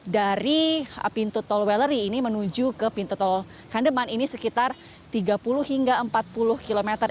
dari pintu tol wellery ini menuju ke pintu tol kandeman ini sekitar tiga puluh hingga empat puluh km